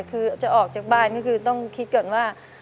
คือจะออกจากบ้านก็คือต้องคิดก่อนว่า